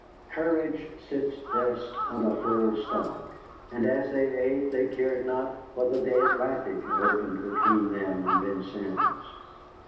Courage sits best on a full stomach, and as they ate they cared not whether the Atlantic had opened between them and Vincennes.